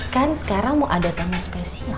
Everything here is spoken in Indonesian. kan sekarang mau ada tamu spesial